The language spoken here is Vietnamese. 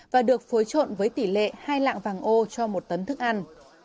và được phối trộn với tỷ lệ hai lạng vàng ô cho một tấn thức ăn